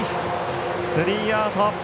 スリーアウト。